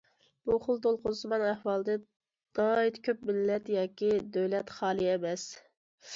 بۇ خىل دولقۇنسىمان ئەھۋالدىن ناھايىتى كۆپ مىللەت ياكى دۆلەت خالىي ئەمەس.